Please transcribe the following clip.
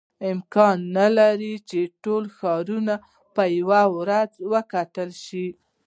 امکان نه لري چې ټول ښار په یوه ورځ کې وکتل شي.